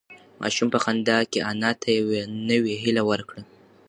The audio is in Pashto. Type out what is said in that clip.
ماشوم په خندا کې انا ته یوه نوې هیله ورکړه.